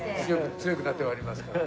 強くなって参りますから。